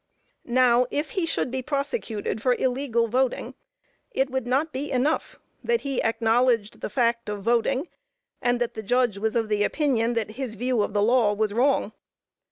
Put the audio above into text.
Now, if he should be prosecuted for illegal voting, it would not be enough that he acknowledged the fact of voting, and that the judge was of the opinion that his view of the law was wrong.